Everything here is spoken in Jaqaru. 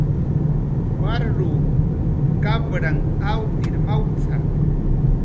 "Waruw kapranh awtir mawt""a"